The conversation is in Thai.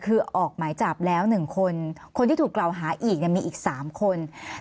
คือออกหมายจับแล้ว๑คนคนที่ถูกกล่าวหาอีกมีอีก๓คน